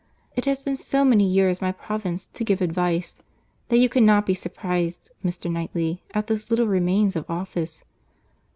It has been so many years my province to give advice, that you cannot be surprized, Mr. Knightley, at this little remains of office."